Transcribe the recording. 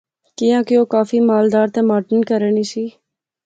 کیاں کہ او کافی مالدار تہ ماڈرن کہرے نی سی